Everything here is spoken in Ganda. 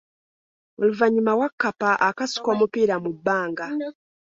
Oluvanyuma Wakkapa akasuka omupiira mu bbanga.